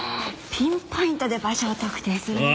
ピンポイントで場所を特定するのは。